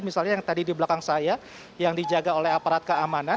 misalnya yang tadi di belakang saya yang dijaga oleh aparat keamanan